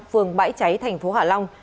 phường bãi cháy thành phố hạ long